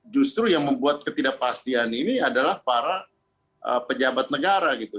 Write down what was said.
justru yang membuat ketidakpastian ini adalah para pejabat negara gitu